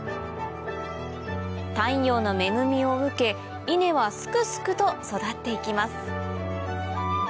太陽の恵みを受けイネはすくすくと育って行きます